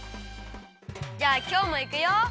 じゃあきょうもいくよ！